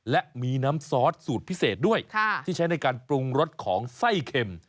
และมีน้ำซอสสูตรพิเศษด้วยที่ใช้ในการปรุงรสของไส้เค็ม